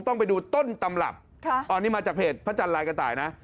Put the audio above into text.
ต้องไปดูต้นตำรับอันนี้มาจากเพจพระจันทร์ลายกระต่ายนะ